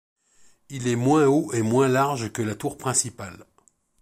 Il est moins haut et moins large que la tour principale.